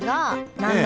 何だ？